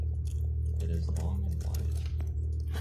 It is long and wide.